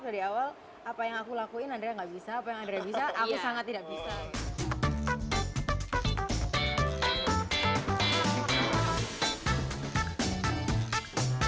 jadi asal pertemanan saja tidak cukup